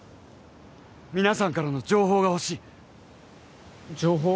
皆さんからの情報が欲しい情報？